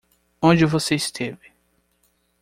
Onde você esteve?